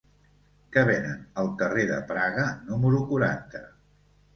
Què venen al carrer de Praga número quaranta?